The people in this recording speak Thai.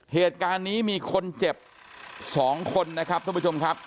เหตุการณ์นี้มีคนเจ็บ๒คนนะครับท่านผู้ชมครับ